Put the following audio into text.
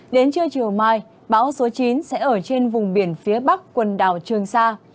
đến trưa chiều mai bão số chín sẽ ở trên vùng biển phía bắc quần đảo trường sa